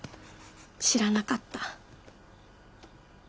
知らなかった。